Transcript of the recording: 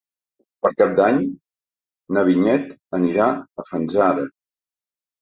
Per Cap d'Any na Vinyet anirà a Fanzara.